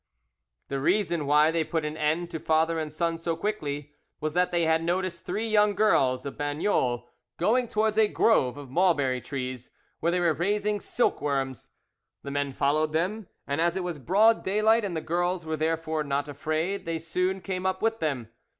"The reason why they put an end to father and son so quickly was that they had noticed three young girls of Bagnols going towards a grove of mulberry trees, where they were raising silk worms. The men followed them, and as it was broad daylight and the girls were therefore not afraid, they soon came up with them.